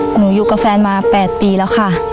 หนูอยู่กับแฟนมา๘ปีแล้วค่ะ